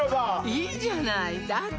いいじゃないだって